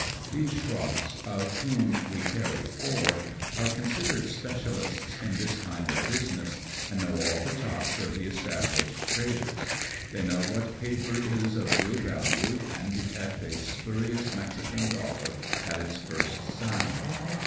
These schroffs, 42 AMONG TYPHOONS AND PIRATE CRAFT. of whom we carry four, are considered specialists in this kind of business, and know all the chops of the established traders. They know what paper is of real value and detect a spurious Mexican dollar at its first sound.